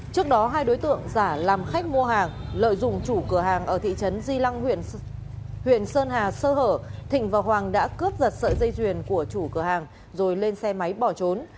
trước đó hai đối tượng giả làm khách mua hàng lợi dụng chủ cửa hàng ở thị trấn di lăng huyện sơn hà sơ hở thịnh và hoàng đã cướp giật sợi dây duyền của chủ cửa hàng rồi lên xe máy bỏ trốn